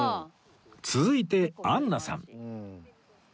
続いてアンナさん